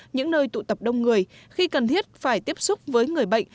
những nơi tụ tập đông người khi cần thiết phải tiếp xúc với người bệnh